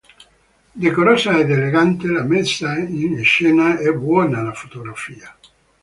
Decorosa ed elegante la messa in scena e buona la fotografia.